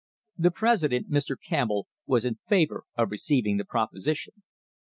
The president, Mr. Camp bell, was in favour of receiving the proposition.